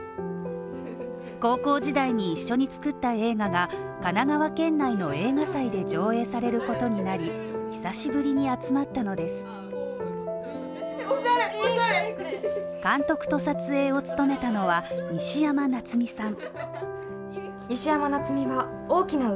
高校時代に一緒に作った映画が、神奈川県内の映画祭で上映されることになり、久しぶりに集まったのです監督と撮影を務めたのは西山夏実さん